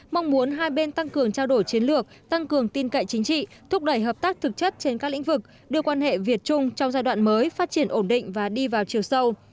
mong muốn hai bên tăng cường trao đổi chiến lược tăng cường tin cậy chính trị thúc đẩy hợp tác thực chất trên các lĩnh vực đưa quan hệ việt trung trong giai đoạn mới phát triển ổn định và đi vào chiều sâu